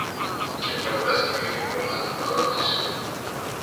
Και, βλέποντας την Ειρηνούλα, ρώτησε